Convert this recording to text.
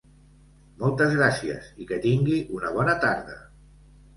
Moltes gràcies i que tingui una bona tarda!